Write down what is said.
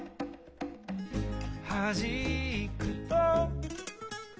「はじくと」